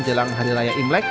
jelang hari raya imlek